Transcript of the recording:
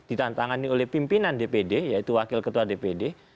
ditantangani oleh pimpinan dpd yaitu wakil ketua dpd